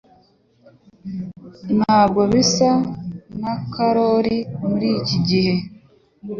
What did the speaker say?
Ntabwo bisa na Karoli muri iki gihe